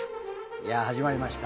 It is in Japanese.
いやあ始まりました。